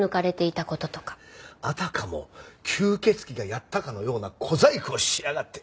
あたかも吸血鬼がやったかのような小細工をしやがって。